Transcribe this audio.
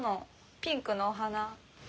ピンクのお花。